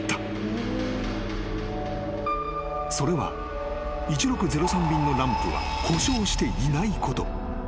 ［それは１６０３便のランプは故障していないこと］